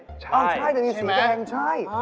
ใช่จะมีสีแดงใช่